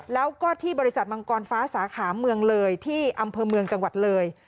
แล้วก็ที่บริษัทมังกรฟ้าสาขาเมืองเลยที่อำเภอเมืองจังหวัดเลย